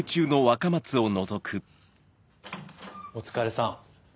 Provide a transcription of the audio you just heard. お疲れさん。